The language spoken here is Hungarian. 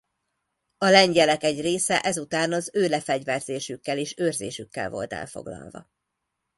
A lengyelek egy része ezután az ő lefegyverzésükkel és őrzésükkel volt elfoglalva.